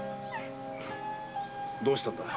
どうしたんだ。